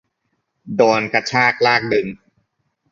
โดนกระชากลากดึง